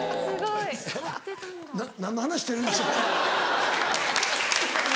な何の話してるんでしょうね。